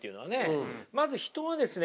まず人はですね